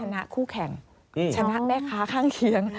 คู่แข่งชนะแม่ค้าข้างเคียง